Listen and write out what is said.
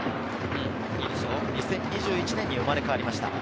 ２０２１年に生まれ変わりました。